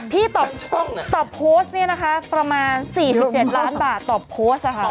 ตอบโพสต์เนี่ยนะคะประมาณ๔๗ล้านบาทต่อโพสต์ค่ะ